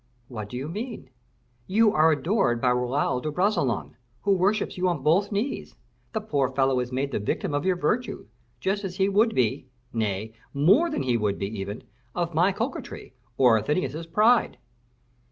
"What do you mean?" "You are adored by Raoul de Bragelonne, who worships you on both knees. The poor fellow is made the victim of your virtue, just as he would be nay, more than he would be, even of my coquetry, or Athenais's pride."